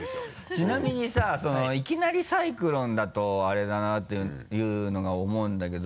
ちなみにさいきなりサイクロンだとあれだなっていうのが思うんだけど。